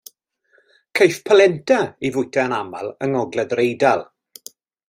Caiff polenta ei fwyta yn aml yng Ngogledd yr Eidal.